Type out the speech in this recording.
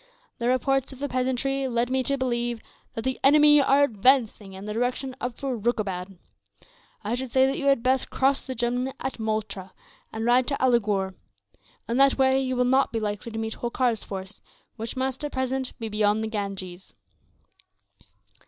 "The reports of the peasantry lead me to believe that the enemy are advancing in the direction of Furukabad. I should say that you had best cross the Jumna at Muttra, and ride to Alighur. In that way you will not be likely to meet Holkar's force; which must, at present, be beyond the Ganges."